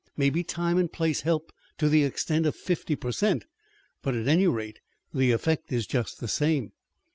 Maybe time and place help to the extent of fifty per cent, but, at any rate, the effect is just the same."